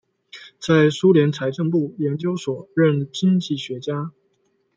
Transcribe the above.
在苏联财政部研究所任经济学家。